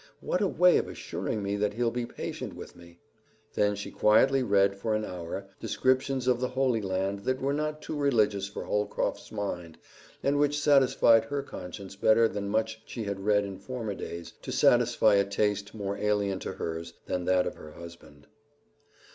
What a way of assuring me that he'll be patient with me!" Then she quietly read for an hour descriptions of the Holy Land that were not too religious for Holcroft's mind and which satisfied her conscience better than much she had read in former days to satisfy a taste more alien to hers than that of her husband.